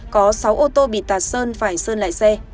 có sáu ô tô bị tạt sơn phải sơn lại xe